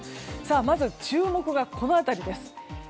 まず注目が、この辺りです。